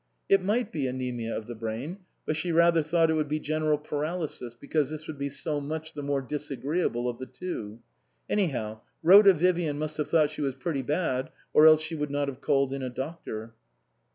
It might be anaemia of the brain, but she rather thought it would be general paralysis, because this would be so much the more disagreeable of the two. Anyhow Rhoda Vivian must have thought she was pretty bad or she would not have called in a doctor.